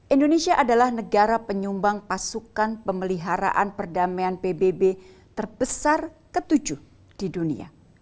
indonesia adalah negara penyumbang pasukan pemeliharaan perdamaian pbb terbesar ketujuh di dunia